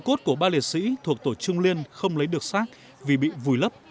hai cốt của ba liệt sĩ thuộc tổ trung liên không lấy được sát vì bị vùi lấp